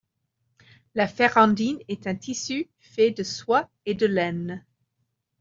La ferrandine est un tissu fait de soie et de laine.